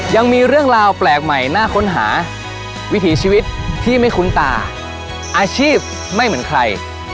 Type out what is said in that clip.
ยังมีเรื่องราวแปลกใหม่น่าค้นหาวิถีชีวิตที่ไม่คุ้นตาอาชีพไม่เหมือนใคร